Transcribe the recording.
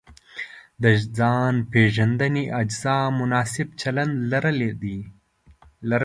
د ځان پېژندنې اجزا مناسب چلند لرل دي.